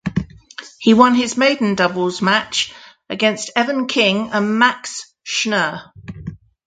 He won his maiden doubles match against Evan King and Max Schnur.